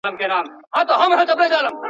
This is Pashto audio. توري سرې وي د ورور ویني ترې څڅیږي `